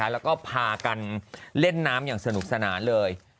แล้วก็พากันเล่นน้ำอย่างสนุกสนานเลย